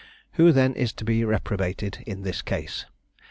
Who then is to be reprobated in this case?